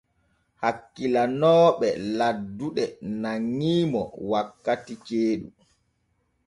Hakkilanooɓe laddude nanŋi mo wakkati ceeɗu.